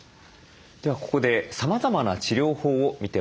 ではここでさまざまな治療法を見てまいります。